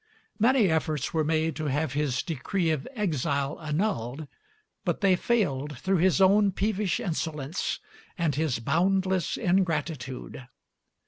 Many efforts were made to have his decree of exile annulled; but they failed through his own peevish insolence and his boundless ingratitude.